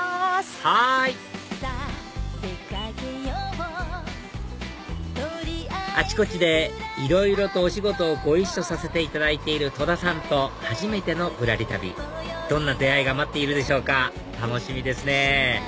はいあちこちでいろいろとお仕事をご一緒させていただいている戸田さんと初めての『ぶらり旅』どんな出会いが待っているでしょうか楽しみですね